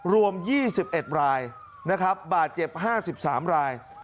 รวมยี่สิบเอ็ดรายนะครับบาทเจ็บห้าสิบสามราย